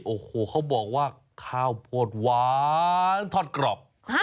โอ้โหเขาบอกว่าข้าวโพดหวานทอดกรอบ